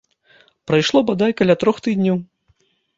Прайшло бадай каля трох тыдняў.